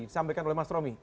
disampaikan oleh mas romy